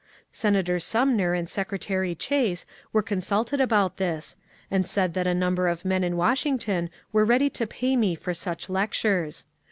Senator Sumner and Seoretarj Chase were consulted about this, and said that a number of men in Washington were ready to pay me for such lectures.